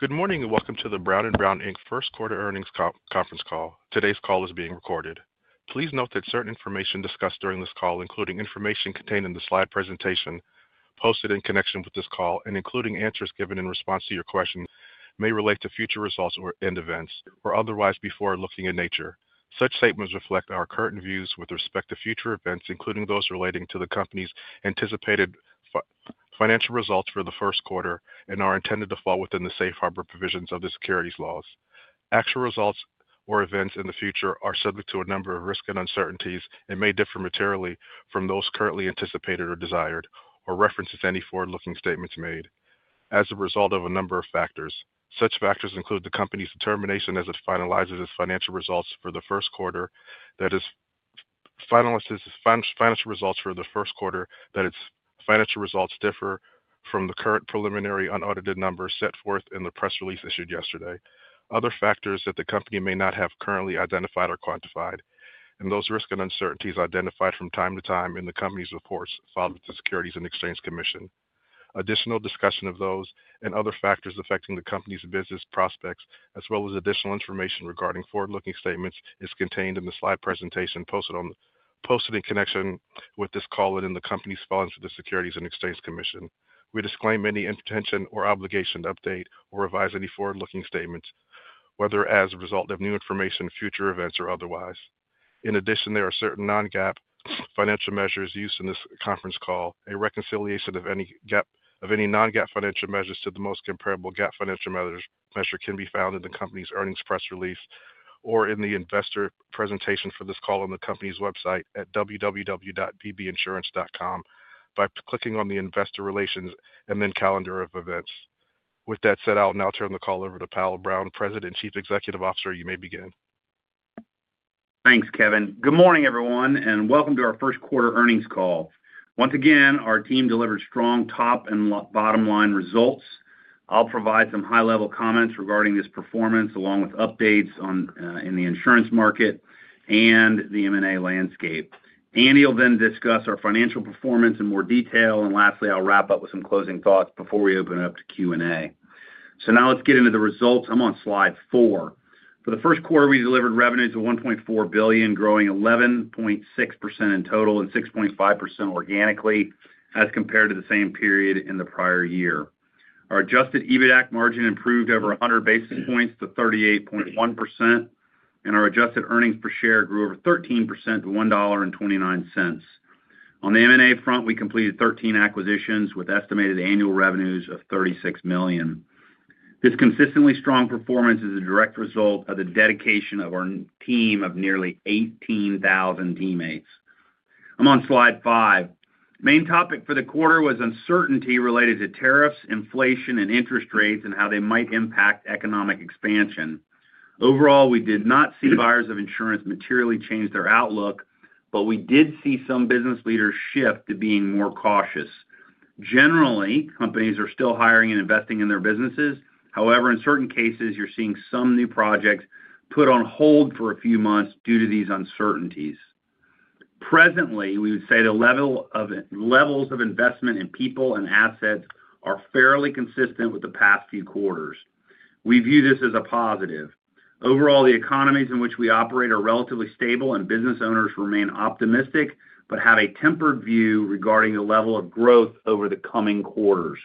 Good morning and welcome to the Brown & Brown First Quarter Earnings Conference Call. Today's call is being recorded. Please note that certain information discussed during this call, including information contained in the slide presentation posted in connection with this call and including answers given in response to your questions, may relate to future results or events, or otherwise be forward-looking in nature. Such statements reflect our current views with respect to future events, including those relating to the company's anticipated financial results for the 1st quarter and are intended to fall within the safe harbor provisions of the securities laws. Actual results or events in the future are subject to a number of risks and uncertainties and may differ materially from those currently anticipated or desired, or referenced in any forward-looking statements made as a result of a number of factors. Such factors include the company's determination as it finalizes its financial results for the 1st quarter, that is, finalizes its financial results for the 1st quarter, that its financial results differ from the current preliminary unaudited numbers set forth in the press release issued yesterday. Other factors that the company may not have currently identified or quantified, and those risks and uncertainties identified from time to time in the company's reports filed with the Securities and Exchange Commission. Additional discussion of those and other factors affecting the company's business prospects, as well as additional information regarding forward-looking statements, is contained in the slide presentation posted in connection with this call and in the company's filings to the Securities and Exchange Commission. We disclaim any intention or obligation to update or revise any forward-looking statements, whether as a result of new information, future events, or otherwise. In addition, there are certain non-GAAP financial measures used in this conference call. A reconciliation of any non-GAAP financial measures to the most comparable GAAP financial measure can be found in the company's earnings press release or in the investor presentation for this call on the company's website at www.bbinsurance.com by clicking on the Investor Relations and then Calendar of Events. With that said, I'll now turn the call over to Powell Brown, President and Chief Executive Officer. You may begin. Thanks, Kevin. Good morning, everyone, and welcome to our 1st quarter earnings call. Once again, our team delivered strong top and bottom line results. I'll provide some high-level comments regarding this performance along with updates in the insurance market and the M&A landscape. Andy will then discuss our financial performance in more detail. Lastly, I'll wrap up with some closing thoughts before we open it up to Q&A. Now let's get into the results. I'm on slide four. For the 1st quarter, we delivered revenues of $1.4 billion, growing 11.6% in total and 6.5% organically as compared to the same period in the prior year. Our adjusted EBITDA margin improved over 100 basis points to 38.1%, and our adjusted earnings per share grew over 13% to $1.29. On the M&A front, we completed 13 acquisitions with estimated annual revenues of $36 million. This consistently strong performance is a direct result of the dedication of our team of nearly 18,000 teammates. I'm on slide five. Main topic for the quarter was uncertainty related to tariffs, inflation, and interest rates and how they might impact economic expansion. Overall, we did not see buyers of insurance materially change their outlook, but we did see some business leaders shift to being more cautious. Generally, companies are still hiring and investing in their businesses. However, in certain cases, you're seeing some new projects put on hold for a few months due to these uncertainties. Presently, we would say the levels of investment in people and assets are fairly consistent with the past few quarters. We view this as a positive. Overall, the economies in which we operate are relatively stable, and business owners remain optimistic but have a tempered view regarding the level of growth over the coming quarters.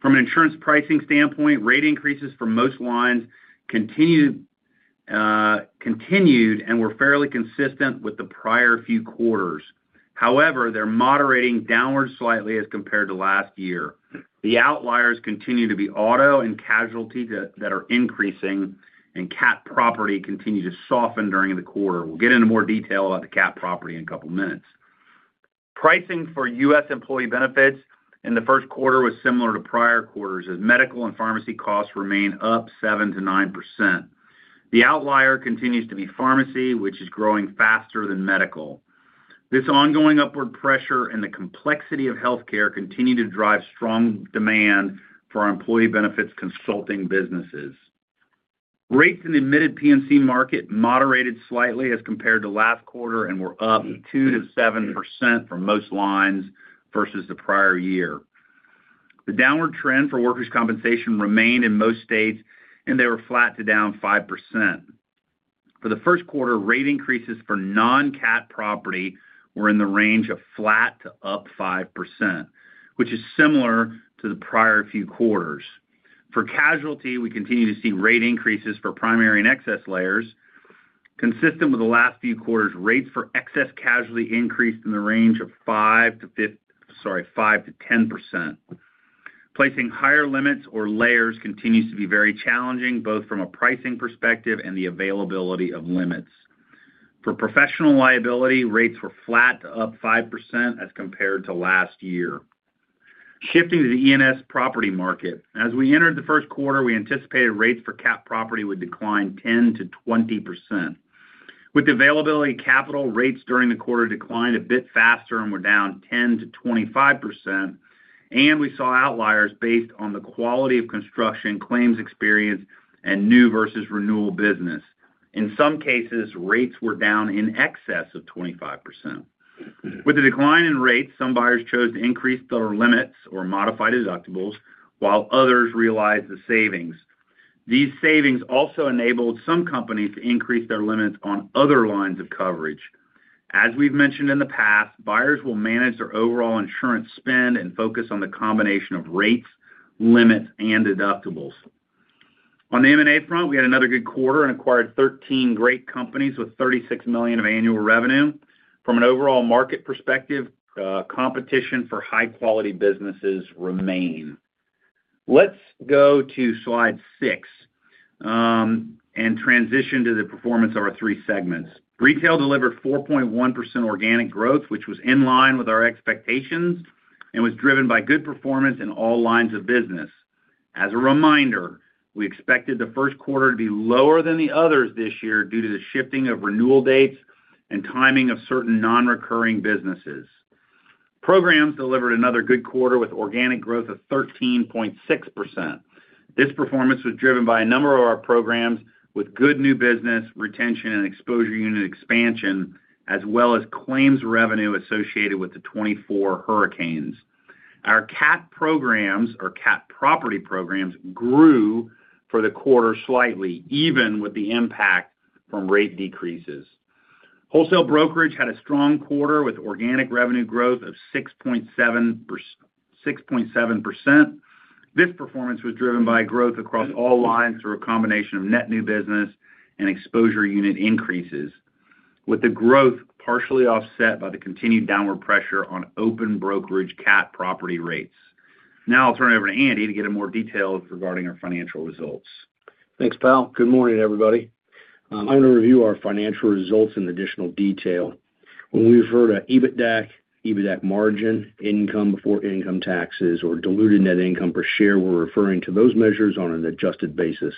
From an insurance pricing standpoint, rate increases for most lines continued and were fairly consistent with the prior few quarters. However, they're moderating downward slightly as compared to last year. The outliers continue to be auto and casualty that are increasing, and Cat property continued to soften during the quarter. We'll get into more detail about the Cat property in a couple of minutes. Pricing for U.S. employee benefits in the 1st quarter was similar to prior quarters, as medical and pharmacy costs remain up 7%-9%. The outlier continues to be pharmacy, which is growing faster than medical. This ongoing upward pressure and the complexity of healthcare continue to drive strong demand for employee benefits consulting businesses. Rates in the admitted P&C market moderated slightly as compared to last quarter and were up 2%-7% for most lines versus the prior year. The downward trend for workers' compensation remained in most states, and they were flat to down 5%. For the 1st quarter, rate increases for non-Cat property were in the range of flat to up 5%, which is similar to the prior few quarters. For casualty, we continue to see rate increases for primary and excess layers. Consistent with the last few quarters, rates for excess casualty increased in the range of 5%-10%. Placing higher limits or layers continues to be very challenging, both from a pricing perspective and the availability of limits. For professional liability, rates were flat to up 5% as compared to last year. Shifting to the E&S property market, as we entered the 1st quarter, we anticipated rates for Cat property would decline 10%-20%. With available capital, rates during the quarter declined a bit faster and were down 10%-25%, and we saw outliers based on the quality of construction, claims experience, and new versus renewal business. In some cases, rates were down in excess of 25%. With the decline in rates, some buyers chose to increase their limits or modify deductibles, while others realized the savings. These savings also enabled some companies to increase their limits on other lines of coverage. As we've mentioned in the past, buyers will manage their overall insurance spend and focus on the combination of rates, limits, and deductibles. On the M&A front, we had another good quarter and acquired 13 great companies with $36 million of annual revenue. From an overall market perspective, competition for high-quality businesses remains. Let's go to slide six and transition to the performance of our three segments. Retail delivered 4.1% organic growth, which was in line with our expectations and was driven by good performance in all lines of business. As a reminder, we expected the 1st quarter to be lower than the others this year due to the shifting of renewal dates and timing of certain non-recurring businesses. Programs delivered another good quarter with organic growth of 13.6%. This performance was driven by a number of our programs with good new business retention and exposure unit expansion, as well as claims revenue associated with the 2024 hurricanes. Our Cat programs or Cat property programs grew for the quarter slightly, even with the impact from rate decreases. Wholesale brokerage had a strong quarter with organic revenue growth of 6.7%. This performance was driven by growth across all lines through a combination of net new business and exposure unit increases, with the growth partially offset by the continued downward pressure on open brokerage Cat property rates. Now I'll turn it over to Andy to get in more detail regarding our financial results. Thanks, Powell. Good morning, everybody. I'm going to review our financial results in additional detail. When we refer to EBITDA, EBITDA margin, income before income taxes, or diluted net income per share, we're referring to those measures on an adjusted basis.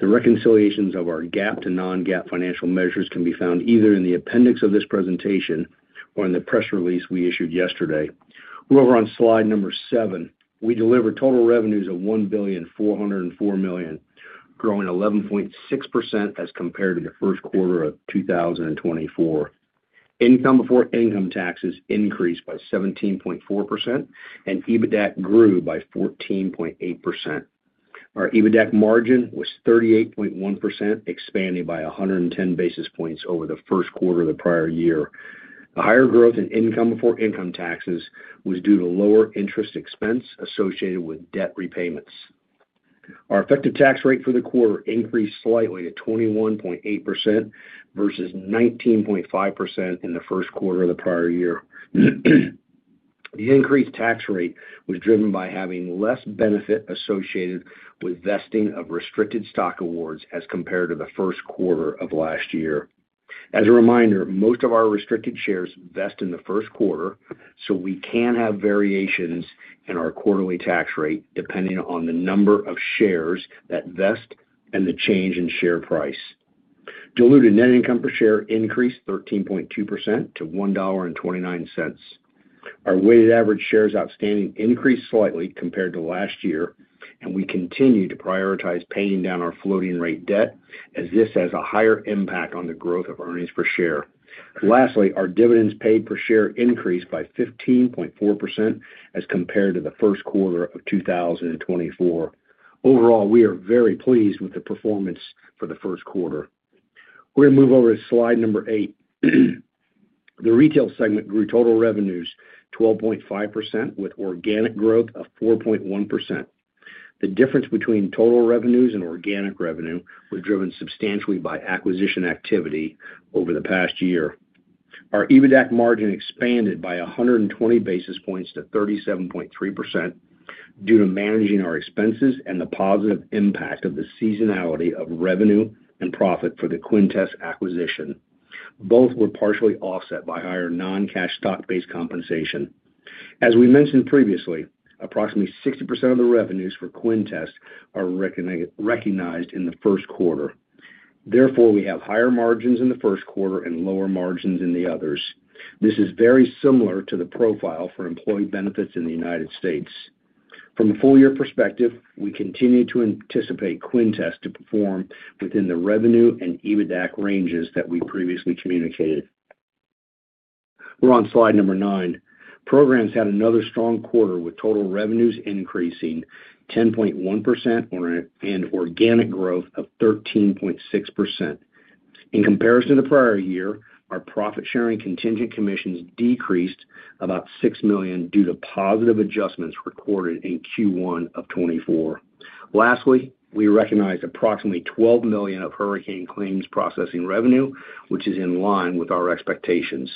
The reconciliations of our GAAP to non-GAAP financial measures can be found either in the appendix of this presentation or in the press release we issued yesterday. We're over on slide number seven. We delivered total revenues of $1,404,000,000, growing 11.6% as compared to the 1st quarter of 2024. Income before income taxes increased by 17.4%, and EBITDA grew by 14.8%. Our EBITDA margin was 38.1%, expanding by 110 basis points over the 1st quarter of the prior year. The higher growth in income before income taxes was due to lower interest expense associated with debt repayments. Our effective tax rate for the quarter increased slightly to 21.8% versus 19.5% in the 1st quarter of the prior year. The increased tax rate was driven by having less benefit associated with vesting of restricted stock awards as compared to the 1st quarter of last year. As a reminder, most of our restricted shares vest in the 1st quarter, so we can have variations in our quarterly tax rate depending on the number of shares that vest and the change in share price. Diluted net income per share increased 13.2% to $1.29. Our weighted average shares outstanding increased slightly compared to last year, and we continue to prioritize paying down our floating rate debt as this has a higher impact on the growth of earnings per share. Lastly, our dividends paid per share increased by 15.4% as compared to the 1st quarter of 2024. Overall, we are very pleased with the performance for the 1st quarter. We're going to move over to slide number eight. The retail segment grew total revenues 12.5% with organic growth of 4.1%. The difference between total revenues and organic revenue was driven substantially by acquisition activity over the past year. Our EBITDA margin expanded by 120 basis points to 37.3% due to managing our expenses and the positive impact of the seasonality of revenue and profit for the Quintes acquisition. Both were partially offset by higher non-cash stock-based compensation. As we mentioned previously, approximately 60% of the revenues for Quintes are recognized in the 1st quarter. Therefore, we have higher margins in the 1st quarter and lower margins in the others. This is very similar to the profile for employee benefits in the United States. From a full-year perspective, we continue to anticipate Quintes to perform within the revenue and EBITDA ranges that we previously communicated. We're on slide number nine. Programs had another strong quarter with total revenues increasing 10.1% and organic growth of 13.6%. In comparison to the prior year, our profit-sharing contingent commissions decreased about $6 million due to positive adjustments recorded in Q1 of 2024. Lastly, we recognize approximately $12 million of hurricane claims processing revenue, which is in line with our expectations.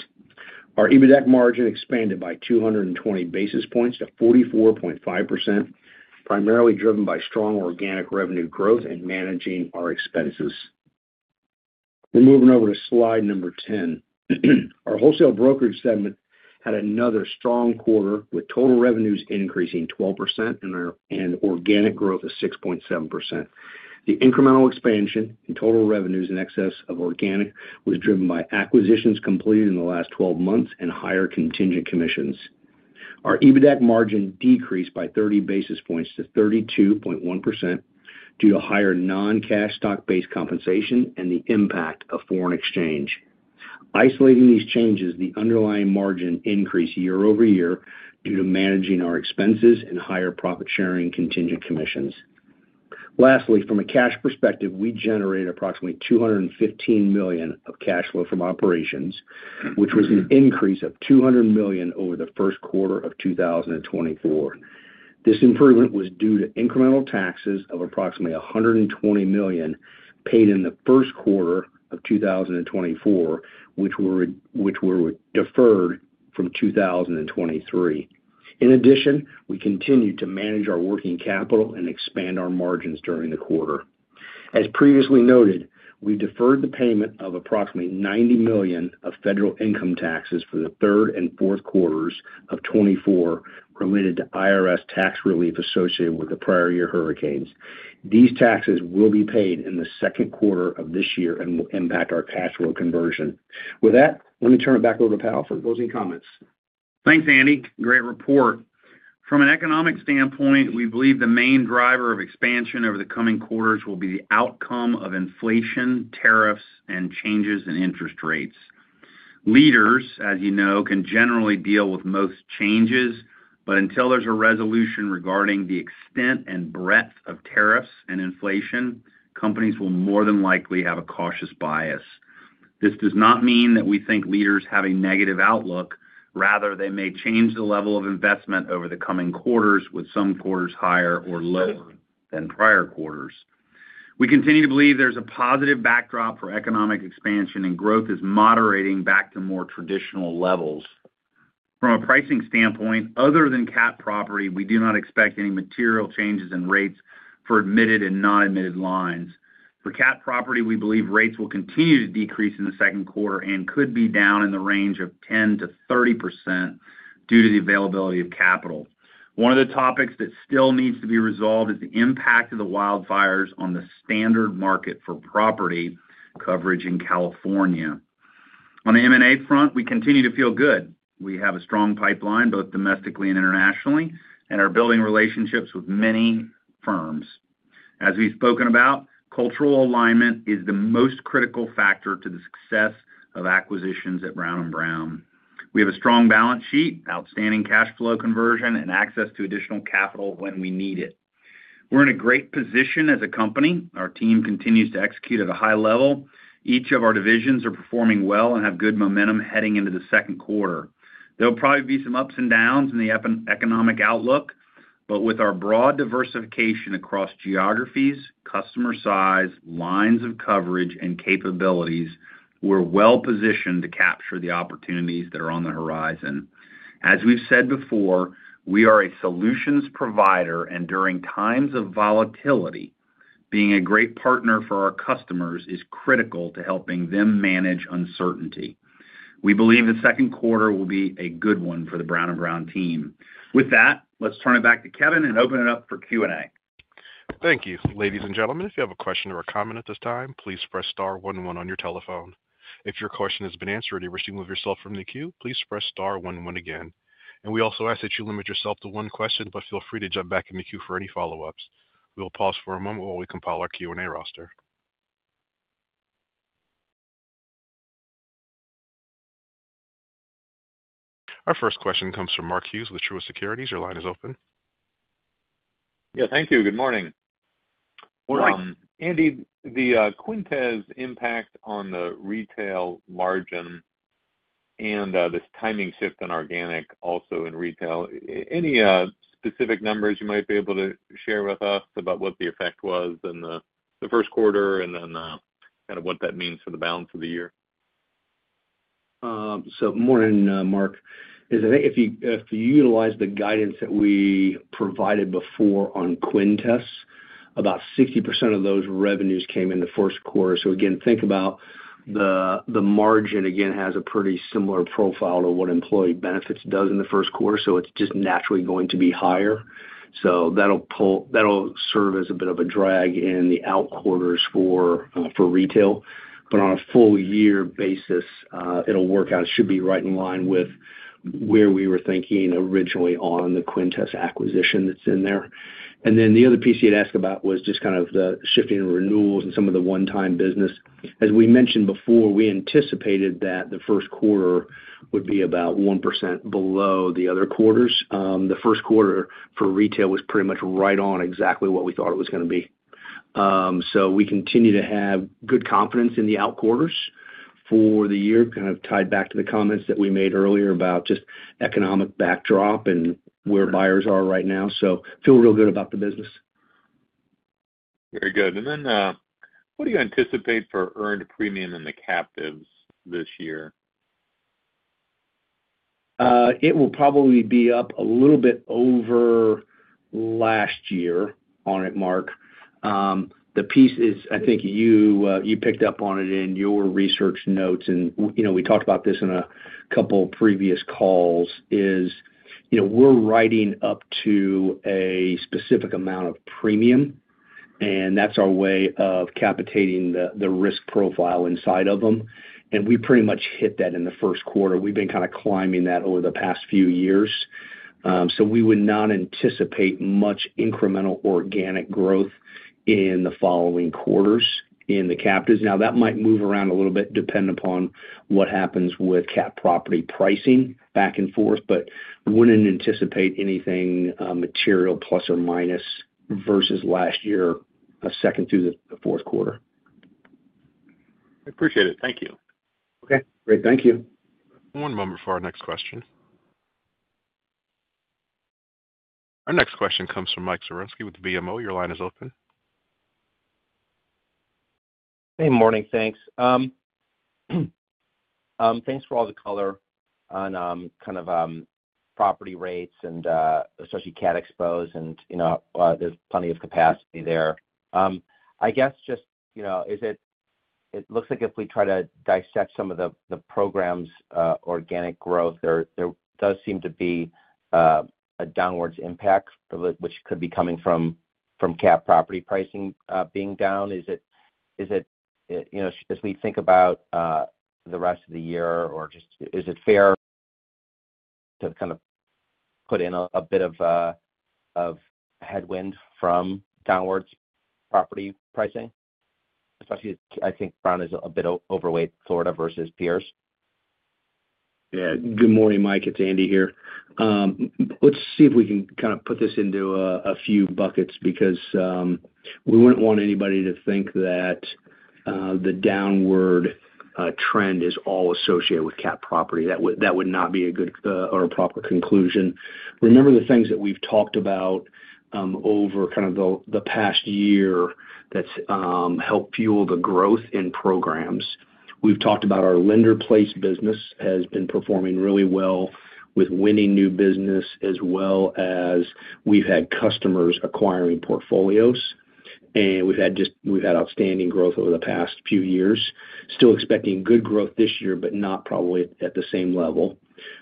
Our EBITDA margin expanded by 220 basis points to 44.5%, primarily driven by strong organic revenue growth and managing our expenses. We're moving over to slide number 10. Our wholesale brokerage segment had another strong quarter with total revenues increasing 12% and organic growth of 6.7%. The incremental expansion in total revenues in excess of organic was driven by acquisitions completed in the last 12 months and higher contingent commissions. Our EBITDA margin decreased by 30 basis points to 32.1% due to higher non-cash stock-based compensation and the impact of foreign exchange. Isolating these changes, the underlying margin increased year over year due to managing our expenses and higher profit-sharing contingent commissions. Lastly, from a cash perspective, we generated approximately $215 million of cash flow from operations, which was an increase of $200 million over the 1st quarter of 2024. This improvement was due to incremental taxes of approximately $120 million paid in the 1st quarter of 2024, which were deferred from 2023. In addition, we continued to manage our working capital and expand our margins during the quarter. As previously noted, we deferred the payment of approximately $90 million of federal income taxes for the third and 4th quarters of 2024 related to IRS tax relief associated with the prior year hurricanes. These taxes will be paid in the 2nd quarter of this year and will impact our cash flow conversion. With that, let me turn it back over to Powell for closing comments. Thanks, Andy. Great report. From an economic standpoint, we believe the main driver of expansion over the coming quarters will be the outcome of inflation, tariffs, and changes in interest rates. Leaders, as you know, can generally deal with most changes, but until there's a resolution regarding the extent and breadth of tariffs and inflation, companies will more than likely have a cautious bias. This does not mean that we think leaders have a negative outlook. Rather, they may change the level of investment over the coming quarters, with some quarters higher or lower than prior quarters. We continue to believe there's a positive backdrop for economic expansion, and growth is moderating back to more traditional levels. From a pricing standpoint, other than Cat property, we do not expect any material changes in rates for admitted and non-admitted lines. For Cat property, we believe rates will continue to decrease in the 2nd quarter and could be down in the range of 10%-30% due to the availability of capital. One of the topics that still needs to be resolved is the impact of the wildfires on the standard market for property coverage in California. On the M&A front, we continue to feel good. We have a strong pipeline, both domestically and internationally, and are building relationships with many firms. As we've spoken about, cultural alignment is the most critical factor to the success of acquisitions at Brown & Brown. We have a strong balance sheet, outstanding cash flow conversion, and access to additional capital when we need it. We're in a great position as a company. Our team continues to execute at a high level. Each of our divisions are performing well and have good momentum heading into the 2nd quarter. There'll probably be some ups and downs in the economic outlook, but with our broad diversification across geographies, customer size, lines of coverage, and capabilities, we're well positioned to capture the opportunities that are on the horizon. As we've said before, we are a solutions provider, and during times of volatility, being a great partner for our customers is critical to helping them manage uncertainty. We believe the 2nd quarter will be a good one for the Brown & Brown team. With that, let's turn it back to Kevin and open it up for Q&A. Thank you. Ladies and gentlemen, if you have a question or a comment at this time, please press star one one on your telephone. If your question has been answered or you wish to move yourself from the queue, please press star one one again. We also ask that you limit yourself to one question, but feel free to jump back in the queue for any follow-ups. We will pause for a moment while we compile our Q&A roster. Our first question comes from Mark Hughes with Truist Securities. Your line is open. Yeah, thank you. Good morning. Morning. Andy, the Quintes impact on the retail margin and this timing shift in organic also in retail, any specific numbers you might be able to share with us about what the effect was in the 1st quarter and then kind of what that means for the balance of the year? Morning, Mark. I think if you utilize the guidance that we provided before on Quintes, about 60% of those revenues came in the 1st quarter. Again, think about the margin, it has a pretty similar profile to what employee benefits does in the 1st quarter, so it's just naturally going to be higher. That'll serve as a bit of a drag in the out quarters for retail. On a full-year basis, it'll work out. It should be right in line with where we were thinking originally on the Quintes acquisition that's in there. The other piece you had asked about was just kind of the shifting renewals and some of the one-time business. As we mentioned before, we anticipated that the 1st quarter would be about 1% below the other quarters. The 1st quarter for retail was pretty much right on exactly what we thought it was going to be. We continue to have good confidence in the out quarters for the year, kind of tied back to the comments that we made earlier about just economic backdrop and where buyers are right now. Feel real good about the business. Very good. What do you anticipate for earned premium in the captives this year? It will probably be up a little bit over last year on it, Mark. The piece is, I think you picked up on it in your research notes, and we talked about this in a couple of previous calls, is we're writing up to a specific amount of premium, and that's our way of capitating the risk profile inside of them. And we pretty much hit that in the 1st quarter. We've been kind of climbing that over the past few years. We would not anticipate much incremental organic growth in the following quarters in the captives. Now, that might move around a little bit depending upon what happens with Cat property pricing back and forth, but would not anticipate anything material plus or minus versus last year, second through the 4th quarter. I appreciate it. Thank you. Okay. Great. Thank you. One moment for our next question. Our next question comes from Mike Zaremski with BMO. Your line is open. Hey, morning. Thanks. Thanks for all the color on kind of property rates and especially Cat expos, and there's plenty of capacity there. I guess just it looks like if we try to dissect some of the programs, organic growth, there does seem to be a downwards impact, which could be coming from Cat property pricing being down. Is it, as we think about the rest of the year, or just is it fair to kind of put in a bit of headwind from downwards property pricing? Especially, I think Brown is a bit overweight Florida versus peers. Yeah. Good morning, Mike. It's Andy here. Let's see if we can kind of put this into a few buckets because we wouldn't want anybody to think that the downward trend is all associated with Cat property. That would not be a good or a proper conclusion. Remember the things that we've talked about over kind of the past year that's helped fuel the growth in programs. We've talked about our lender-placed business has been performing really well with winning new business, as well as we've had customers acquiring portfolios, and we've had outstanding growth over the past few years. Still expecting good growth this year, but not probably at the same level.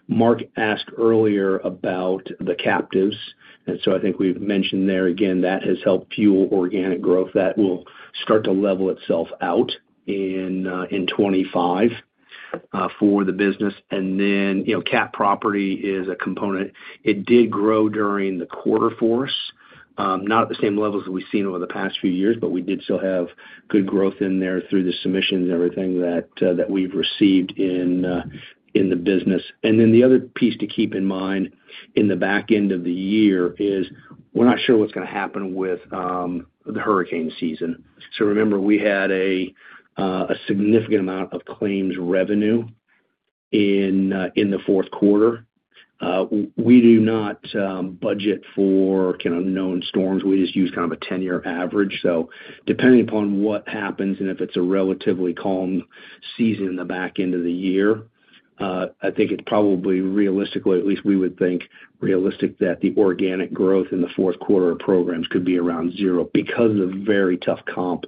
Mark asked earlier about the captives, and so I think we've mentioned there again that has helped fuel organic growth that will start to level itself out in 2025 for the business. Cat property is a component. It did grow during the quarter for us, not at the same levels that we've seen over the past few years, but we did still have good growth in there through the submissions and everything that we've received in the business. The other piece to keep in mind in the back end of the year is we're not sure what's going to happen with the hurricane season. Remember, we had a significant amount of claims revenue in the 4th quarter. We do not budget for kind of known storms. We just use kind of a 10-year average. Depending upon what happens and if it's a relatively calm season in the back end of the year, I think it's probably realistically, at least we would think realistic that the organic growth in the 4th quarter of programs could be around zero because of the very tough comp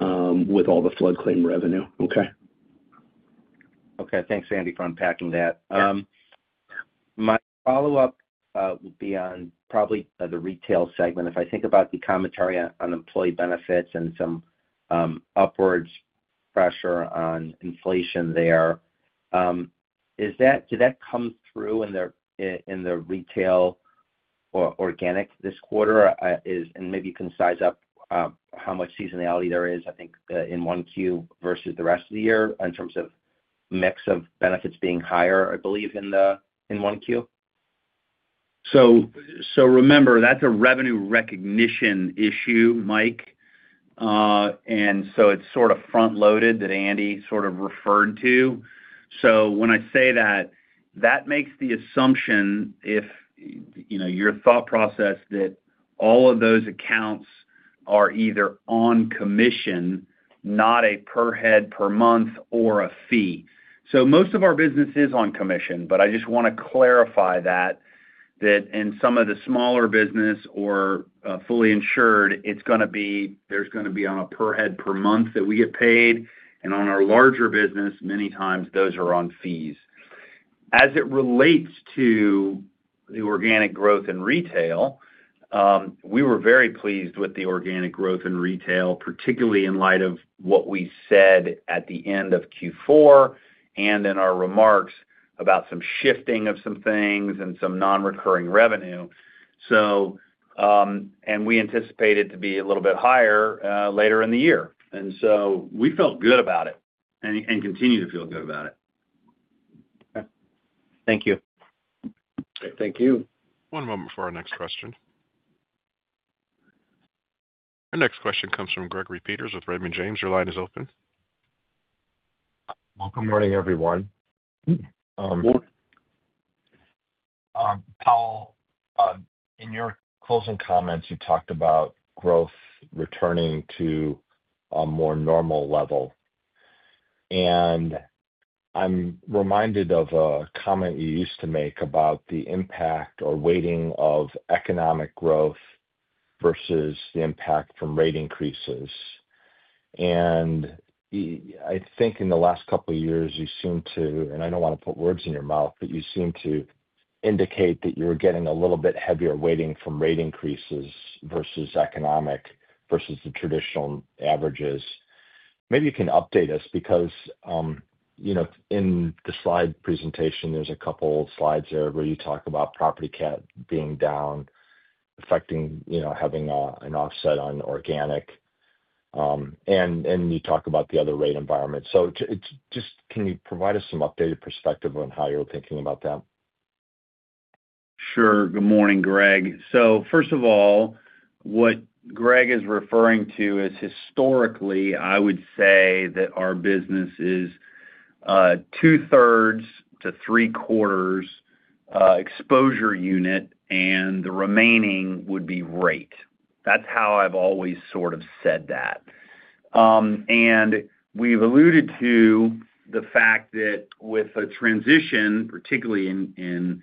with all the flood claim revenue. Okay? Okay. Thanks, Andy, for unpacking that. My follow-up will be on probably the retail segment. If I think about the commentary on employee benefits and some upwards pressure on inflation there, does that come through in the retail or organic this quarter? Maybe you can size up how much seasonality there is, I think, in 1Q versus the rest of the year in terms of mix of benefits being higher, I believe, in 1Q? Remember, that's a revenue recognition issue, Mike. It is sort of front-loaded that Andy referred to. When I say that, that makes the assumption, if your thought process, that all of those accounts are either on commission, not a per head per month or a fee. Most of our business is on commission, but I just want to clarify that in some of the smaller business or fully insured, it is going to be on a per head per month that we get paid. On our larger business, many times those are on fees. As it relates to the organic growth in retail, we were very pleased with the organic growth in retail, particularly in light of what we said at the end of Q4 and in our remarks about some shifting of some things and some non-recurring revenue. We anticipated it to be a little bit higher later in the year. We felt good about it and continue to feel good about it. Okay. Thank you. Thank you. One moment for our next question. Our next question comes from Gregory Peters with Raymond James. Your line is open. Good morning, everyone. Powell, in your closing comments, you talked about growth returning to a more normal level. I'm reminded of a comment you used to make about the impact or weighting of economic growth versus the impact from rate increases. I think in the last couple of years, you seem to—I don't want to put words in your mouth, but you seem to indicate that you were getting a little bit heavier weighting from rate increases versus economic versus the traditional averages. Maybe you can update us because in the slide presentation, there's a couple of slides there where you talk about property Cat being down, affecting, having an offset on organic. You talk about the other rate environment. Can you provide us some updated perspective on how you're thinking about that? Sure. Good morning, Greg. First of all, what Greg is referring to is historically, I would say that our business is two-thirds to three-quarters exposure unit, and the remaining would be rate. That's how I've always sort of said that. We've alluded to the fact that with a transition, particularly in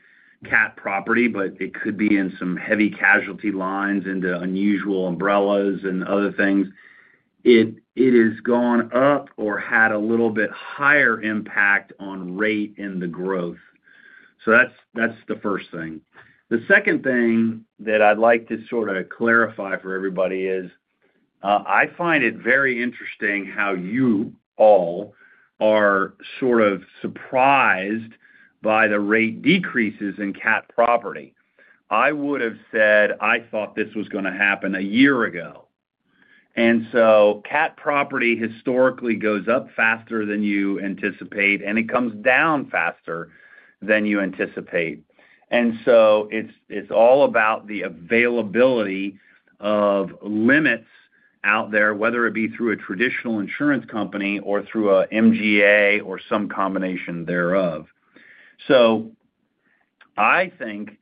Cat property, but it could be in some heavy casualty lines into unusual umbrellas and other things, it has gone up or had a little bit higher impact on rate in the growth. That's the first thing. The second thing that I'd like to sort of clarify for everybody is I find it very interesting how you all are sort of surprised by the rate decreases in Cat property. I would have said I thought this was going to happen a year ago. Cat property historically goes up faster than you anticipate, and it comes down faster than you anticipate. It is all about the availability of limits out there, whether it be through a traditional insurance company or through an MGA or some combination thereof. I think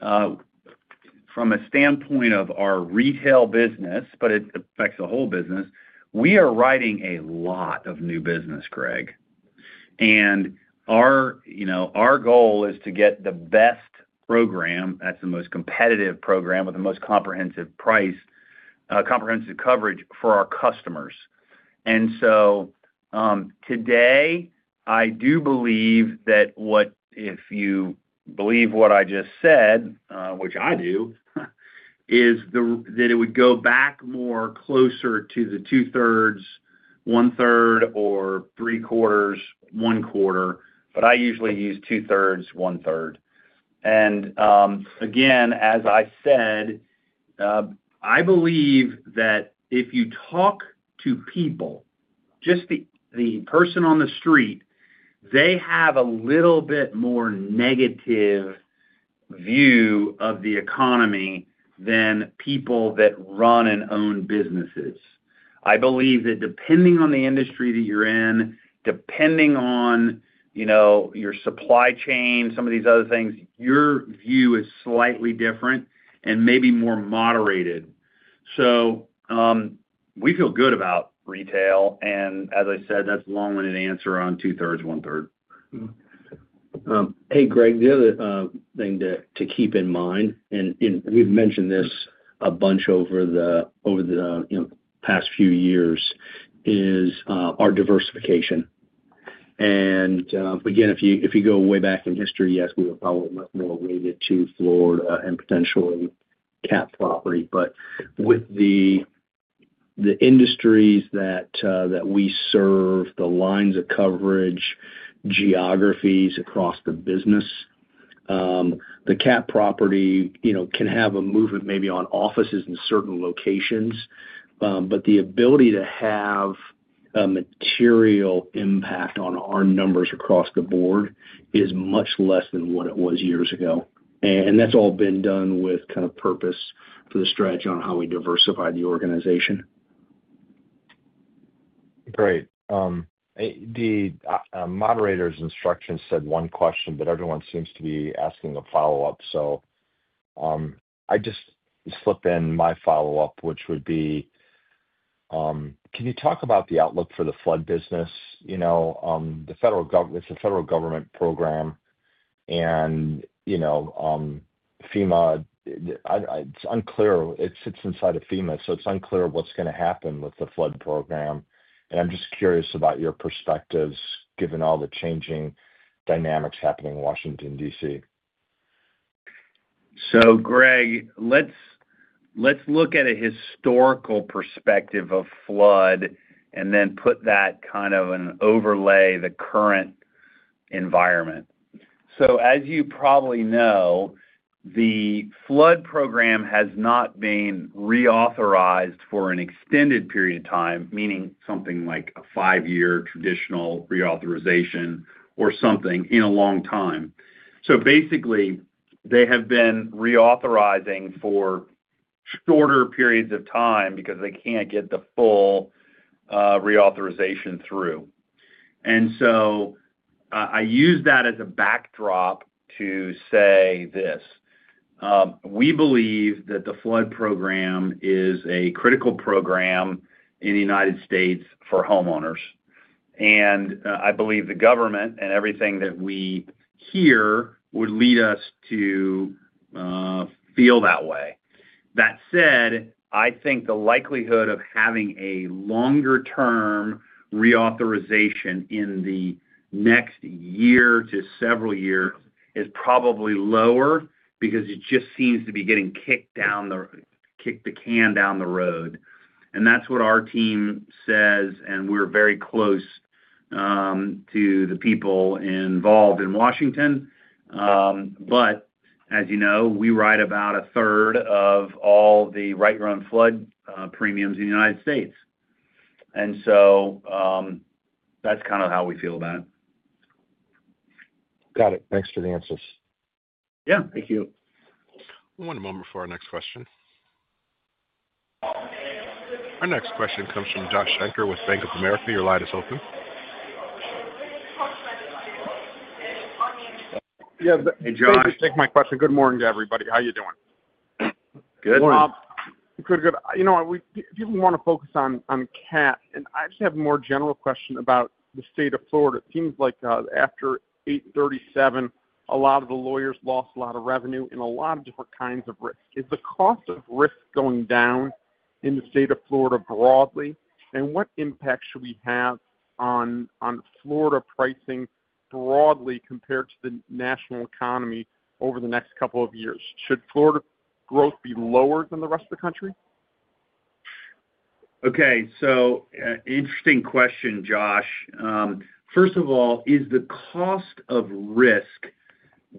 from a standpoint of our retail business, but it affects the whole business, we are writing a lot of new business, Greg. Our goal is to get the best program that is the most competitive program with the most comprehensive coverage for our customers. Today, I do believe that if you believe what I just said, which I do, it would go back more closer to the 2/3:1/3, or 3/4:1/4. I usually use 2/3:1/3. As I said, I believe that if you talk to people, just the person on the street, they have a little bit more negative view of the economy than people that run and own businesses. I believe that depending on the industry that you're in, depending on your supply chain, some of these other things, your view is slightly different and maybe more moderated. We feel good about retail. As I said, that's a long-winded answer on 2/3:1/3. Hey, Greg, the other thing to keep in mind, and we've mentioned this a bunch over the past few years, is our diversification. If you go way back in history, yes, we were probably much more weighted to Florida and potentially Cat property. With the industries that we serve, the lines of coverage, geographies across the business, the Cat property can have a movement maybe on offices in certain locations. The ability to have a material impact on our numbers across the board is much less than what it was years ago. That has all been done with kind of purpose for the strategy on how we diversify the organization. Great. The moderator's instruction said one question, but everyone seems to be asking a follow-up. I just slip in my follow-up, which would be, can you talk about the outlook for the flood business? It's a federal government program, and FEMA, it's unclear. It sits inside of FEMA, so it's unclear what's going to happen with the flood program. I'm just curious about your perspectives given all the changing dynamics happening in Washington, DC. Greg, let's look at a historical perspective of flood and then put that kind of an overlay on the current environment. As you probably know, the flood program has not been reauthorized for an extended period of time, meaning something like a five-year traditional reauthorization or something in a long time. Basically, they have been reauthorizing for shorter periods of time because they cannot get the full reauthorization through. I use that as a backdrop to say this: we believe that the flood program is a critical program in the United States for homeowners. I believe the government and everything that we hear would lead us to feel that way. That said, I think the likelihood of having a longer-term reauthorization in the next year to several years is probably lower because it just seems to be getting kicked down the road. That's what our team says, and we're very close to the people involved in Washington. As you know, we write about 1/3 of all the Write-Your-Own flood premiums in the United States. That's kind of how we feel about it. Got it. Thanks for the answers. Yeah. Thank you. One moment for our next question. Our next question comes from Josh Shanker with Bank of America. Your line is open. Yeah. Hey, Josh. Take my question. Good morning, everybody. How are you doing? Good. Good. Good. You know what? People want to focus on Cat. I just have a more general question about the state of Florida. It seems like after HB 837, a lot of the lawyers lost a lot of revenue and a lot of different kinds of risk. Is the cost of risk going down in the state of Florida broadly? What impact should we have on Florida pricing broadly compared to the national economy over the next couple of years? Should Florida growth be lower than the rest of the country? Okay. Interesting question, Josh. First of all, is the cost of risk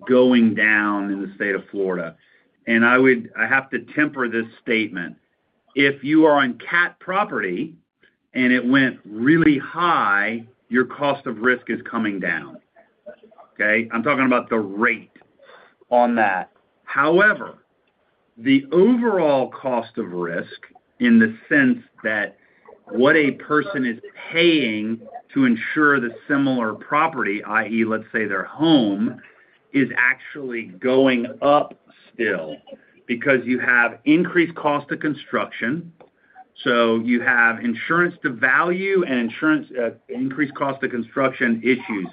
going down in the state of Florida? I have to temper this statement. If you are on Cat property and it went really high, your cost of risk is coming down. I am talking about the rate on that. However, the overall cost of risk in the sense that what a person is paying to insure the similar property, i.e., let's say their home, is actually going up still because you have increased cost of construction. You have insurance to value and increased cost of construction issues.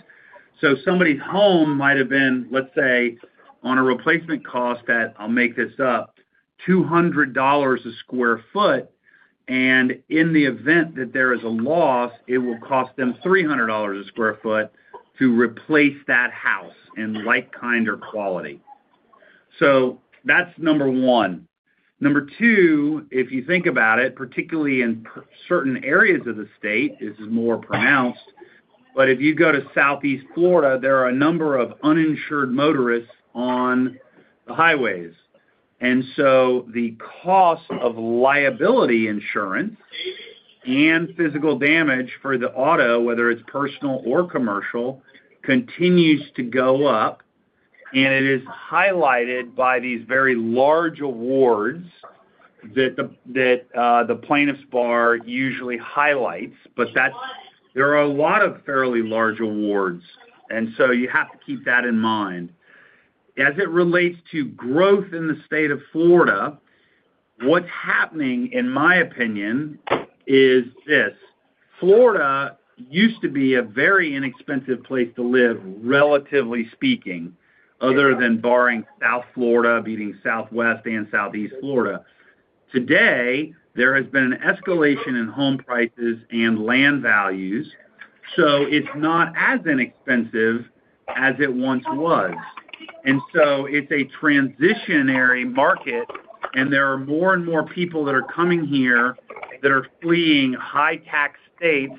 Somebody's home might have been, let's say, on a replacement cost that, I will make this up, $200 a sq ft. In the event that there is a loss, it will cost them $300 a sq ft to replace that house in like kind or quality. That's number one. Number two, if you think about it, particularly in certain areas of the state, this is more pronounced. If you go to Southeast Florida, there are a number of uninsured motorists on the highways. The cost of liability insurance and physical damage for the auto, whether it's personal or commercial, continues to go up. It is highlighted by these very large awards that the plaintiff's bar usually highlights. There are a lot of fairly large awards. You have to keep that in mind. As it relates to growth in the state of Florida, what's happening, in my opinion, is this: Florida used to be a very inexpensive place to live, relatively speaking, other than barring South Florida, meaning Southwest and Southeast Florida. Today, there has been an escalation in home prices and land values. It is not as inexpensive as it once was. It is a transitionary market, and there are more and more people that are coming here that are fleeing high-tax states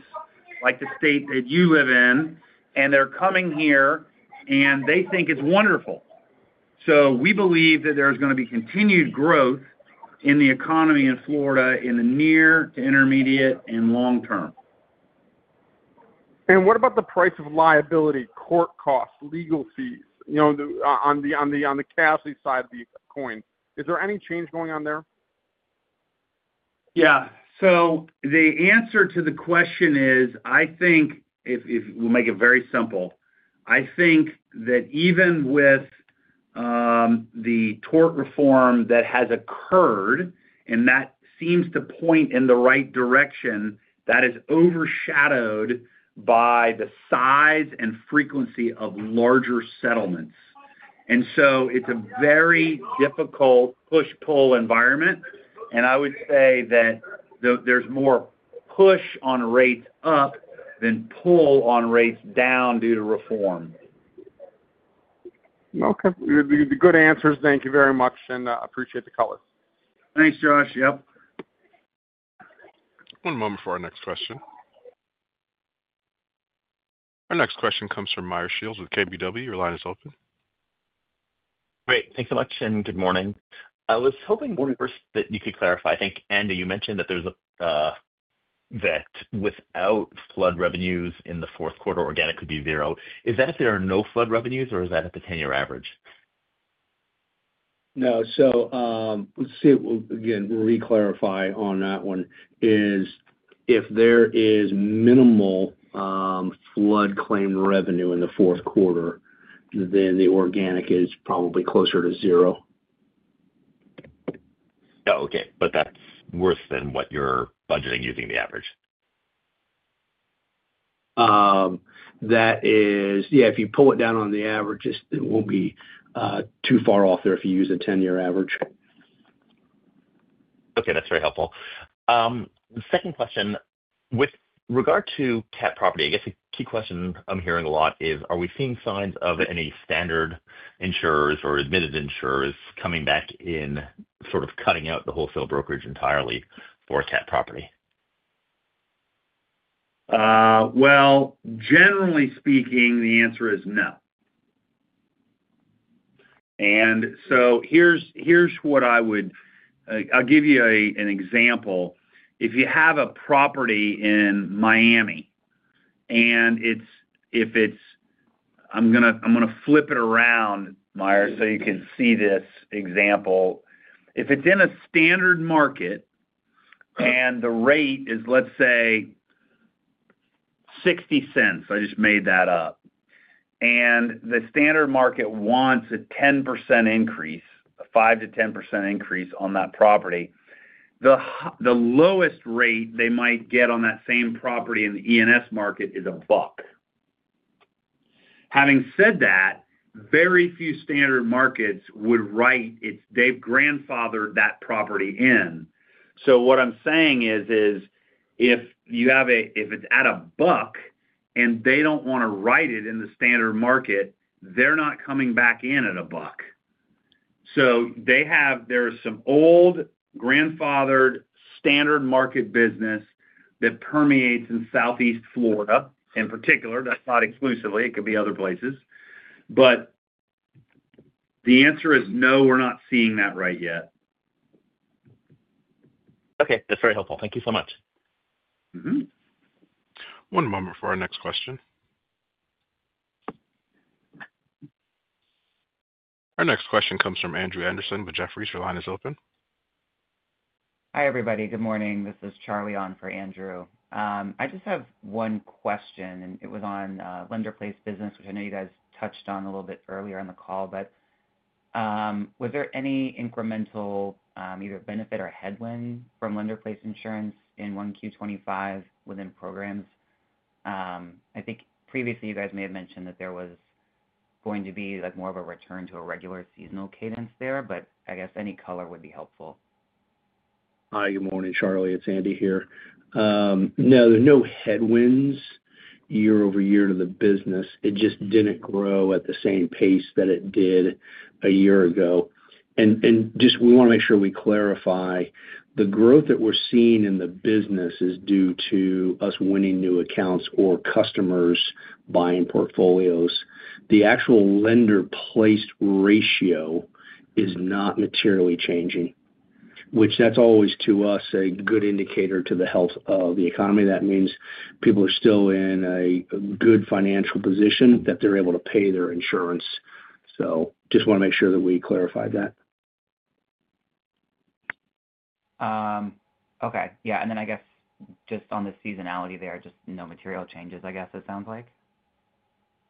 like the state that you live in. They are coming here, and they think it is wonderful. We believe that there is going to be continued growth in the economy in Florida in the near to intermediate and long term. What about the price of liability, court costs, legal fees? On the casualty side of the coin, is there any change going on there? Yeah. The answer to the question is, I think if we'll make it very simple, I think that even with the tort reform that has occurred, and that seems to point in the right direction, that is overshadowed by the size and frequency of larger settlements. It is a very difficult push-pull environment. I would say that there's more push on rates up than pull on rates down due to reform. Okay. Good answers. Thank you very much. I appreciate the colors. Thanks, Josh. Yep. One moment for our next question. Our next question comes from Meyer Shields with KBW. Your line is open. Great. Thanks so much. Good morning. I was hoping one more that you could clarify. I think, Andy, you mentioned that without flood revenues in the 4th quarter, organic could be zero. Is that if there are no flood revenues, or is that at the 10-year average? No. Let's see. Again, we'll re-clarify on that one. If there is minimal flood claim revenue in the 4th quarter, then the organic is probably closer to zero. Oh, okay. That is worse than what you're budgeting using the average? Yeah. If you pull it down on the average, it won't be too far off there if you use a 10-year average. Okay. That's very helpful. Second question. With regard to Cat property, I guess a key question I'm hearing a lot is, are we seeing signs of any standard insurers or admitted insurers coming back in sort of cutting out the wholesale brokerage entirely for Cat property? Generally speaking, the answer is no. Here's what I would—I'll give you an example. If you have a property in Miami, and if it's—I'm going to flip it around, Meyer, so you can see this example. If it's in a standard market and the rate is, let's say, $0.60, I just made that up, and the standard market wants a 10% increase, a 5-10% increase on that property, the lowest rate they might get on that same property in the E&S market is $1. Having said that, very few standard markets would write it—they've grandfathered that property in. What I'm saying is, if you have a—if it's at $1 and they do not want to write it in the standard market, they're not coming back in at $1. There are some old grandfathered standard market business that permeates in Southeast Florida in particular. That's not exclusively. It could be other places. The answer is no, we're not seeing that right yet. Okay. That's very helpful. Thank you so much. One moment for our next question. Our next question comes from Andrew Andersen with Jefferies. Your line is open. Hi, everybody. Good morning. This is Charlie on for Andrew. I just have one question. It was on lender-placed business, which I know you guys touched on a little bit earlier on the call. Was there any incremental either benefit or headwind from lender-placed insurance in 1Q25 within programs? I think previously you guys may have mentioned that there was going to be more of a return to a regular seasonal cadence there. I guess any color would be helpful. Hi, good morning, Charlie. It's Andy here. No, there are no headwinds year over year to the business. It just did not grow at the same pace that it did a year ago. We want to make sure we clarify. The growth that we are seeing in the business is due to us winning new accounts or customers buying portfolios. The actual lender-placed ratio is not materially changing, which is always to us a good indicator to the health of the economy. That means people are still in a good financial position that they are able to pay their insurance. We just want to make sure that we clarify that. Okay. Yeah. And then I guess just on the seasonality there, just no material changes, I guess it sounds like?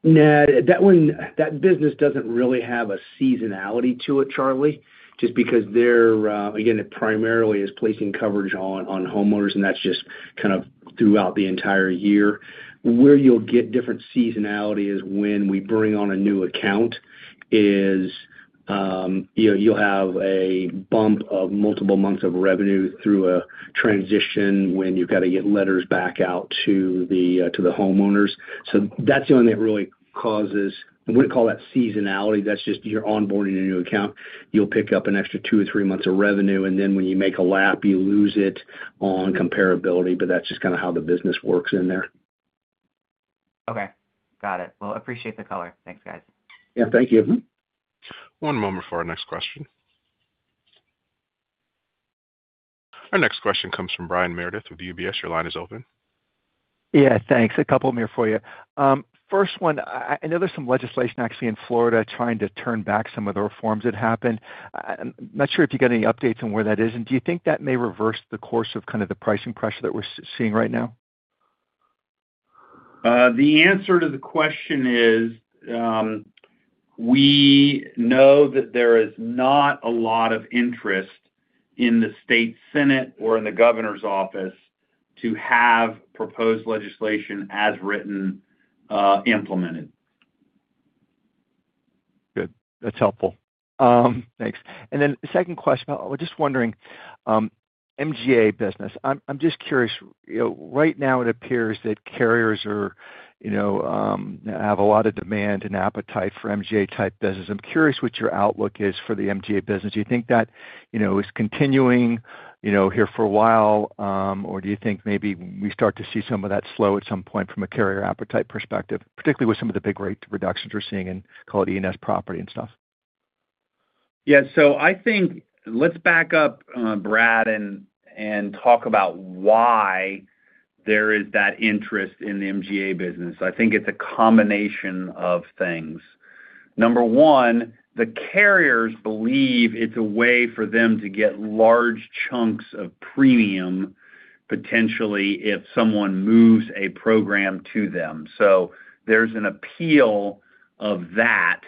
No, that business doesn't really have a seasonality to it, Charlie, just because there again, it primarily is placing coverage on homeowners, and that's just kind of throughout the entire year. Where you'll get different seasonality is when we bring on a new account is you'll have a bump of multiple months of revenue through a transition when you've got to get letters back out to the homeowners. That's the only thing that really causes, I wouldn't call that seasonality. That's just you're onboarding a new account. You'll pick up an extra two or three months of revenue. When you make a lap, you lose it on comparability. That's just kind of how the business works in there. Okay. Got it. Appreciate the color. Thanks, guys. Yeah. Thank you. One moment for our next question. Our next question comes from Brian Meredith with UBS. Your line is open. Yeah. Thanks. A couple more for you. First one, I know there's some legislation actually in Florida trying to turn back some of the reforms that happened. I'm not sure if you got any updates on where that is. Do you think that may reverse the course of kind of the pricing pressure that we're seeing right now? The answer to the question is we know that there is not a lot of interest in the state senate or in the governor's office to have proposed legislation as written implemented. Good. That's helpful. Thanks. Second question, just wondering, MGA business, I'm just curious. Right now, it appears that carriers have a lot of demand and appetite for MGA-type business. I'm curious what your outlook is for the MGA business. Do you think that is continuing here for a while, or do you think maybe we start to see some of that slow at some point from a carrier appetite perspective, particularly with some of the big rate reductions we're seeing in, call it, E&S property and stuff? Yeah. I think let's back up, Brian, and talk about why there is that interest in the MGA business. I think it's a combination of things. Number one, the carriers believe it's a way for them to get large chunks of premium, potentially, if someone moves a program to them. There's an appeal of that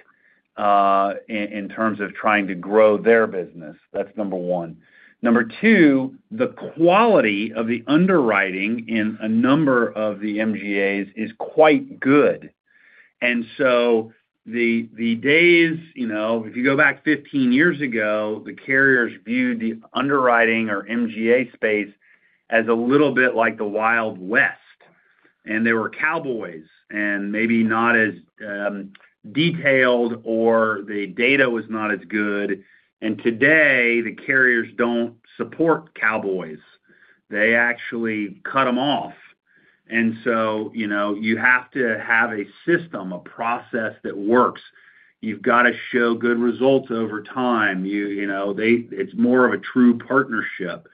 in terms of trying to grow their business. That's number one. Number two, the quality of the underwriting in a number of the MGAs is quite good. The days, if you go back 15 years ago, the carriers viewed the underwriting or MGA space as a little bit like the Wild West. There were cowboys and maybe not as detailed or the data was not as good. Today, the carriers don't support cowboys. They actually cut them off. You have to have a system, a process that works. You have got to show good results over time. It is more of a true partnership.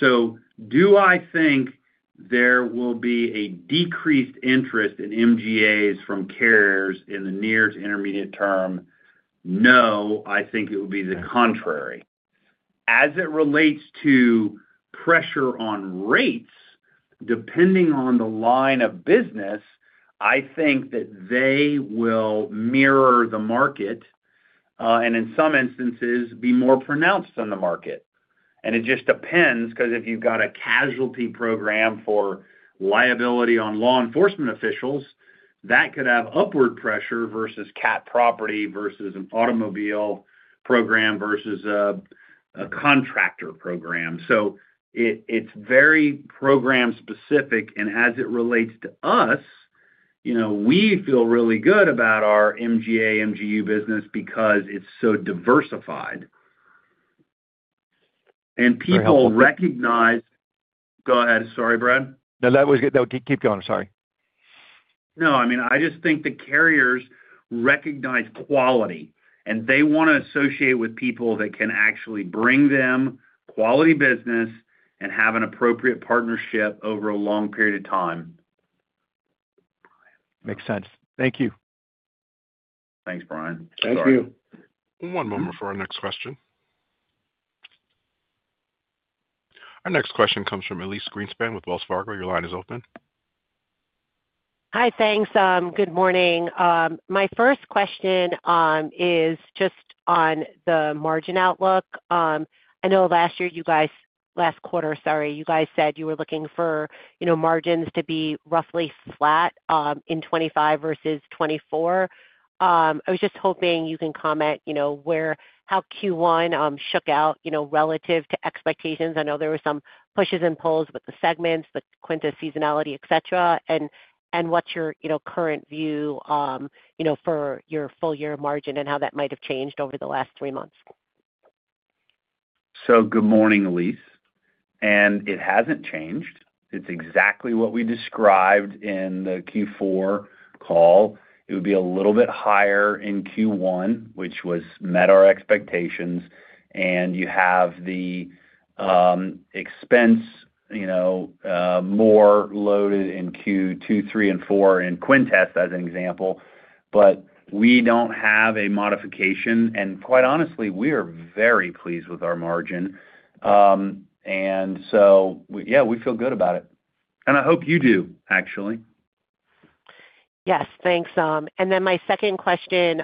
Do I think there will be a decreased interest in MGAs from carriers in the near to intermediate term? No, I think it would be the contrary. As it relates to pressure on rates, depending on the line of business, I think that they will mirror the market and in some instances be more pronounced on the market. It just depends because if you have got a casualty program for liability on law enforcement officials, that could have upward pressure versus Cat property versus an automobile program versus a contractor program. It is very program-specific. As it relates to us, we feel really good about our MGA, MGU business because it is so diversified. People recognize—go ahead. Sorry, Brian. No, that was good. Keep going. I'm sorry. No, I mean, I just think the carriers recognize quality, and they want to associate with people that can actually bring them quality business and have an appropriate partnership over a long period of time. Makes sense. Thank you. Thanks, Brian. Thanks, Charlie. Thank you. One moment for our next question. Our next question comes from Elyse Greenspan with Wells Fargo. Your line is open. Hi, thanks. Good morning. My first question is just on the margin outlook. I know last year you guys last quarter, sorry, you guys said you were looking for margins to be roughly flat in 2025 versus 2024. I was just hoping you can comment how Q1 shook out relative to expectations. I know there were some pushes and pulls with the segments, the Quintes seasonality, etc. What is your current view for your full-year margin and how that might have changed over the last three months? Good morning, Elyse. It has not changed. It is exactly what we described in the Q4 call. It would be a little bit higher in Q1, which met our expectations. You have the expense more loaded in Q2, Q3, and Q4 in Quintes as an example. We do not have a modification. Quite honestly, we are very pleased with our margin. We feel good about it. I hope you do, actually. Yes, thanks. My second question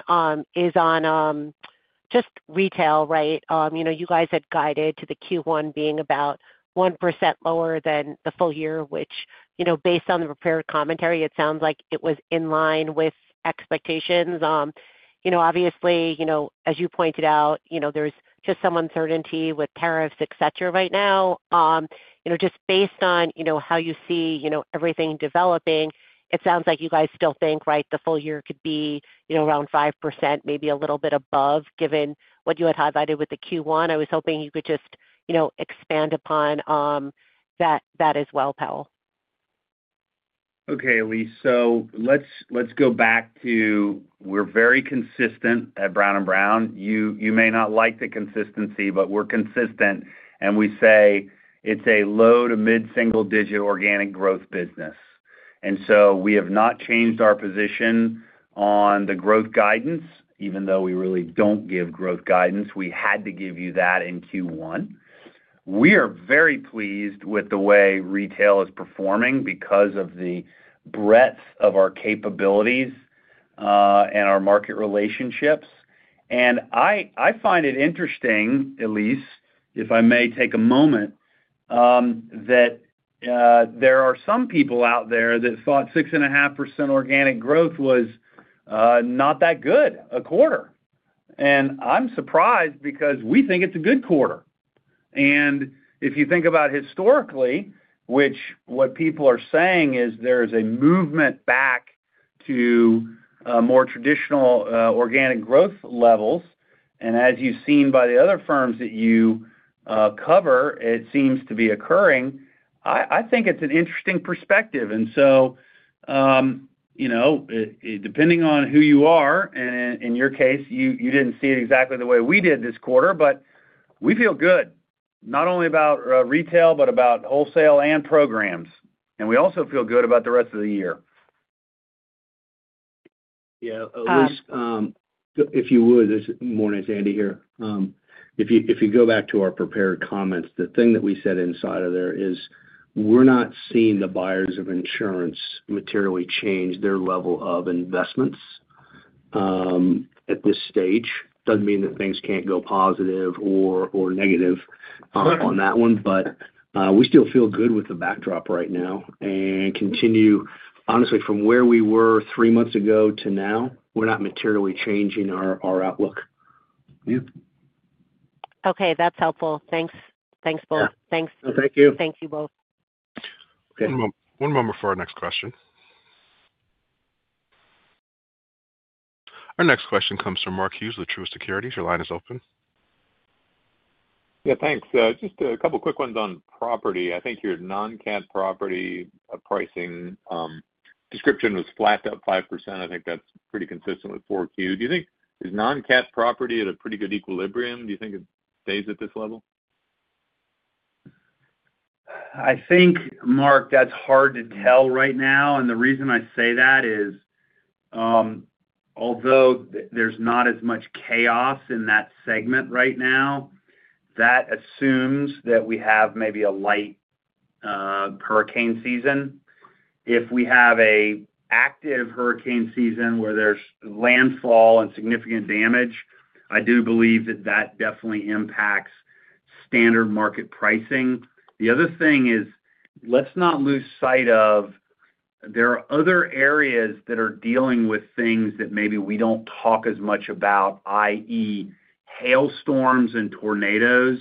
is on just retail, right? You guys had guided to the Q1 being about 1% lower than the full year, which based on the prepared commentary, it sounds like it was in line with expectations. Obviously, as you pointed out, there's just some uncertainty with tariffs, etc. right now. Just based on how you see everything developing, it sounds like you guys still think, right, the full year could be around 5%, maybe a little bit above, given what you had highlighted with the Q1. I was hoping you could just expand upon that as well, Powell. Okay, Elyse. Let's go back to we're very consistent at Brown & Brown. You may not like the consistency, but we're consistent. We say it's a low to mid-single-digit organic growth business. We have not changed our position on the growth guidance, even though we really don't give growth guidance. We had to give you that in Q1. We are very pleased with the way retail is performing because of the breadth of our capabilities and our market relationships. I find it interesting, Elyse, if I may take a moment, that there are some people out there that thought 6.5% organic growth was not that good, a quarter. I'm surprised because we think it's a good quarter. If you think about historically, which what people are saying is there is a movement back to more traditional organic growth levels. As you have seen by the other firms that you cover, it seems to be occurring. I think it is an interesting perspective. Depending on who you are, and in your case, you did not see it exactly the way we did this quarter, but we feel good not only about retail, but about wholesale and programs. We also feel good about the rest of the year. Yeah. Elyse. If you would, this morning, it's Andy here. If you go back to our prepared comments, the thing that we said inside of there is we're not seeing the buyers of insurance materially change their level of investments at this stage. It doesn't mean that things can't go positive or negative on that one. We still feel good with the backdrop right now. Honestly, from where we were three months ago to now, we're not materially changing our outlook. Yeah. Okay. That's helpful. Thanks. Thanks, both. Thanks. Thank you. Thank you both. One moment for our next question. Our next question comes from Mark Hughes with Truist Securities. Your line is open. Yeah, thanks. Just a couple of quick ones on property. I think your non-Cat property pricing description was flat at 5%. I think that's pretty consistent with Q4. Do you think is non-Cat property at a pretty good equilibrium? Do you think it stays at this level? I think, Mark, that's hard to tell right now. The reason I say that is although there's not as much chaos in that segment right now, that assumes that we have maybe a light hurricane season. If we have an active hurricane season where there's landfall and significant damage, I do believe that that definitely impacts standard market pricing. The other thing is let's not lose sight of there are other areas that are dealing with things that maybe we don't talk as much about, i.e., hailstorms and tornadoes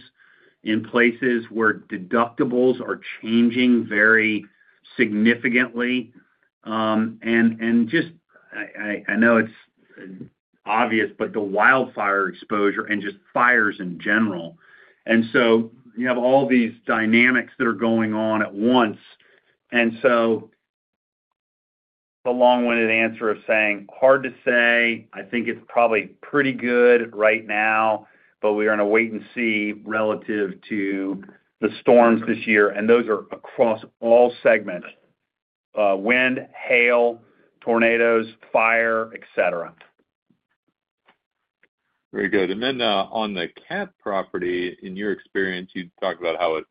in places where deductibles are changing very significantly. I know it's obvious, but the wildfire exposure and just fires in general. You have all these dynamics that are going on at once. The long-winded answer of saying hard to say, I think it's probably pretty good right now, but we're going to wait and see relative to the storms this year. Those are across all segments: wind, hail, tornadoes, fire, etc. Very good. On the Cat property, in your experience, you talked about how it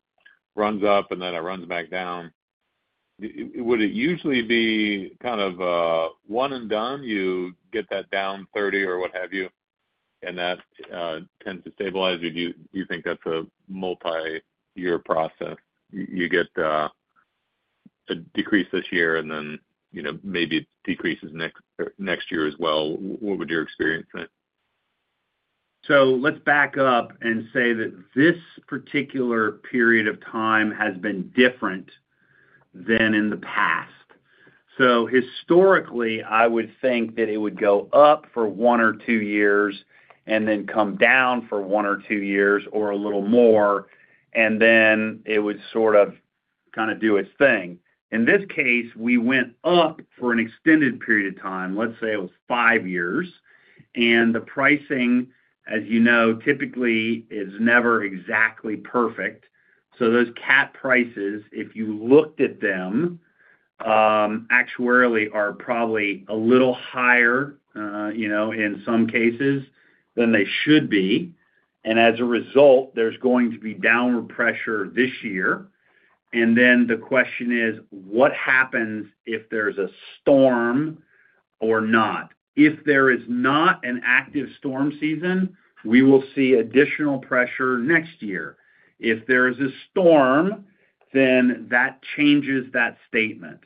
runs up and then it runs back down. Would it usually be kind of one and done? You get that down 30 or what have you, and that tends to stabilize? Do you think that's a multi-year process? You get a decrease this year, and then maybe it decreases next year as well. What would your experience be? Let's back up and say that this particular period of time has been different than in the past. Historically, I would think that it would go up for one or two years and then come down for one or two years or a little more, and then it would sort of kind of do its thing. In this case, we went up for an extended period of time. Let's say it was five years. The pricing, as you know, typically is never exactly perfect. Those cat prices, if you looked at them, actuarially are probably a little higher in some cases than they should be. As a result, there's going to be downward pressure this year. The question is, what happens if there's a storm or not? If there is not an active storm season, we will see additional pressure next year. If there is a storm, then that changes that statement.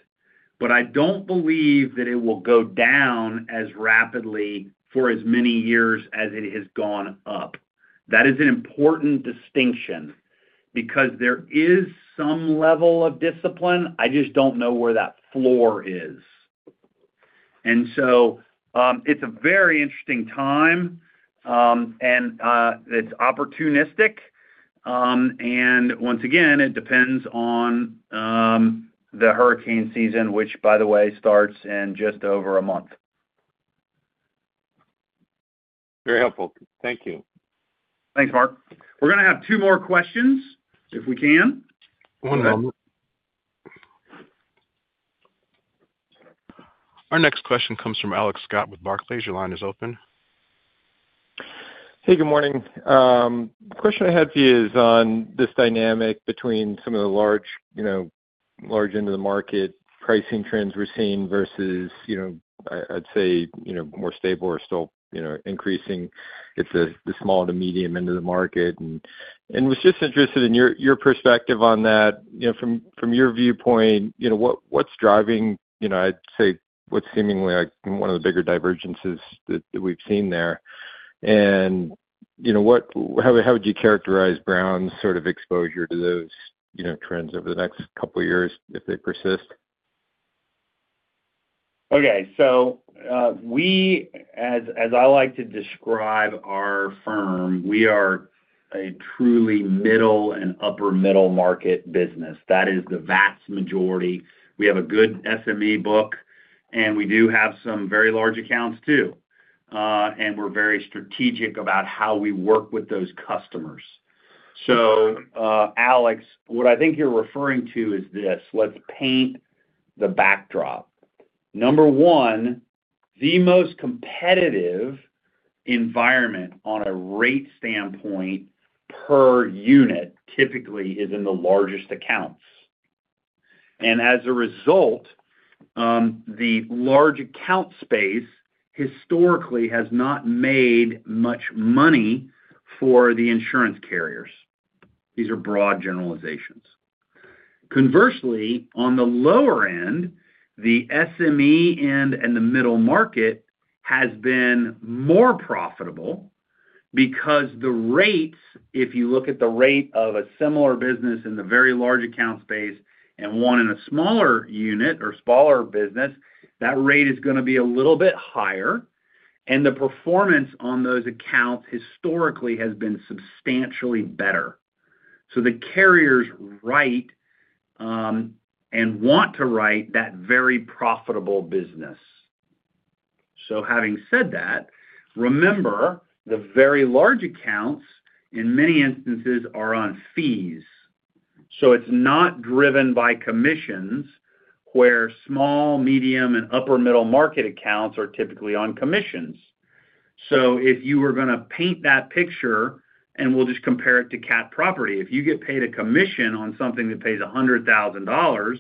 I do not believe that it will go down as rapidly for as many years as it has gone up. That is an important distinction because there is some level of discipline. I just do not know where that floor is. It is a very interesting time, and it is opportunistic. Once again, it depends on the hurricane season, which, by the way, starts in just over a month. Very helpful. Thank you. Thanks, Mark. We're going to have two more questions if we can. One moment. Our next question comes from Alex Scott with Barclays. Your line is open. Hey, good morning. The question I had for you is on this dynamic between some of the large end of the market pricing trends we're seeing versus, I'd say, more stable or still increasing. It's the small to medium end of the market. I was just interested in your perspective on that. From your viewpoint, what's driving, I'd say, what's seemingly one of the bigger divergences that we've seen there? How would you characterize Brown & Brown's sort of exposure to those trends over the next couple of years if they persist? Okay. As I like to describe our firm, we are a truly middle and upper middle market business. That is the vast majority. We have a good SME book, and we do have some very large accounts too. We are very strategic about how we work with those customers. Alex, what I think you are referring to is this. Let's paint the backdrop. Number one, the most competitive environment on a rate standpoint per unit typically is in the largest accounts. As a result, the large account space historically has not made much money for the insurance carriers. These are broad generalizations. Conversely, on the lower end, the SME end and the middle market has been more profitable because the rates, if you look at the rate of a similar business in the very large account space and one in a smaller unit or smaller business, that rate is going to be a little bit higher. The performance on those accounts historically has been substantially better. The carriers write and want to write that very profitable business. Having said that, remember, the very large accounts in many instances are on fees. It is not driven by commissions where small, medium, and upper middle market accounts are typically on commissions. If you were going to paint that picture, and we'll just compare it to Cat property, if you get paid a commission on something that pays $100,000,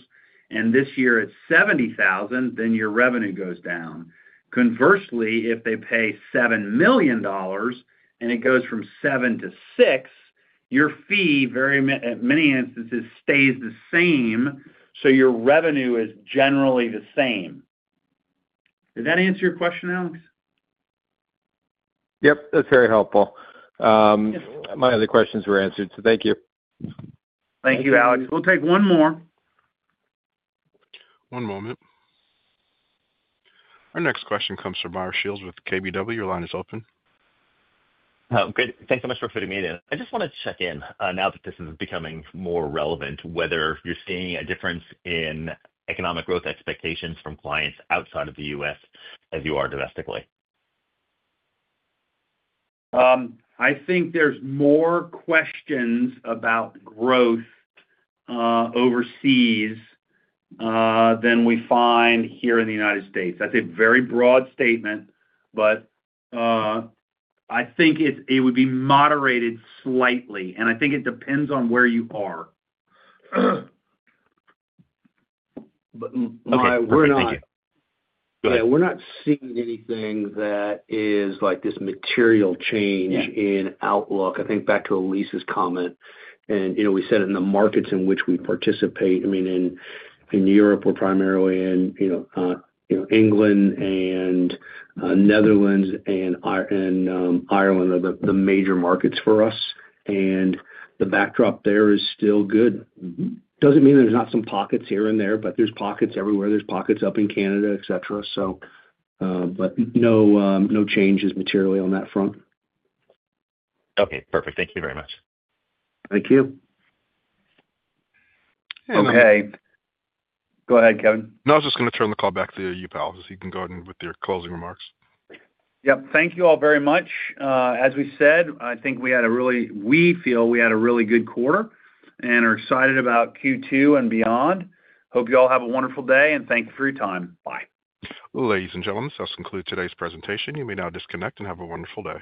and this year it's $70,000, then your revenue goes down. Conversely, if they pay $7 million, and it goes from $7 million to $6 million, your fee very many instances stays the same. So your revenue is generally the same. Does that answer your question, Alex? Yep. That's very helpful. My other questions were answered. Thank you. Thank you, Alex. We'll take one more. One moment. Our next question comes from Meyer Shields with KBW. Your line is open. Oh, great. Thanks so much for fitting me in. I just wanted to check in now that this is becoming more relevant, whether you're seeing a difference in economic growth expectations from clients outside of the U.S. as you are domestically. I think there's more questions about growth overseas than we find here in the United States. That's a very broad statement, but I think it would be moderated slightly. I think it depends on where you are. Okay. We're not. Yeah. We're not seeing anything that is like this material change in outlook. I think back to Elyse's comment, and we said it in the markets in which we participate. I mean, in Europe, we're primarily in England, and Netherlands, and Ireland are the major markets for us. The backdrop there is still good. Doesn't mean there's not some pockets here and there, but there's pockets everywhere. There's pockets up in Canada, etc. No changes materially on that front. Okay. Perfect. Thank you very much. Thank you. Okay. Go ahead, Kevin. No, I was just going to turn the call back to you, Powell, so you can go ahead with your closing remarks. Yep. Thank you all very much. As we said, I think we had a really—we feel we had a really good quarter and are excited about Q2 and beyond. Hope you all have a wonderful day, and thank you for your time. Bye. Ladies and gentlemen, this does conclude today's presentation. You may now disconnect and have a wonderful day.